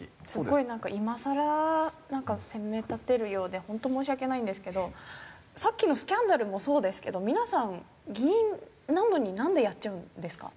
すごいなんか今更責め立てるようで本当申し訳ないんですけどさっきのスキャンダルもそうですけど皆さん議員なのになんでやっちゃうんですか？